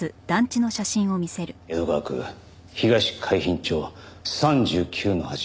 江戸川区東海浜町３９−８。